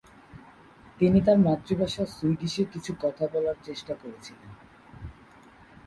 তিনি তার মাতৃভাষা সুইডিশে কিছু কথা বলার চেষ্টা করেছিলেন।